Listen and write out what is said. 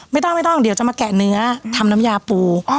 ไม่ต้องไม่ต้องเดี๋ยวจะมาแกะเนื้อทำน้ำยาปู